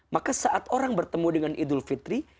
maka saat orang bertemu dengan idul fitri